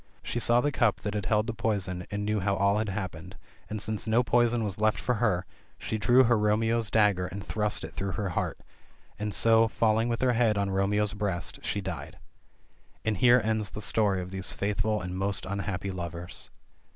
She saw the cup that had held the poison, and knew how all had happened, and since no poison was left for her, she drew her Romeo's dagger and thrust it through her heart — and so, falling with her head on her Romeo's breast, she died. And here ends the story of these faithful and most unhappy lovers.